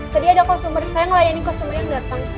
tadi ada costumer saya ngelayani costumer yang datang